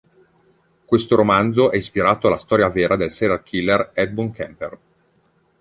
Questo romanzo è ispirato alla storia vera del serial killer Edmund Kemper.